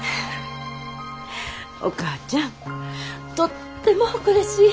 お母ちゃんとっても誇らしい。